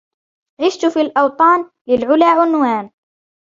عشت في الأوطان للـعلـى عنوان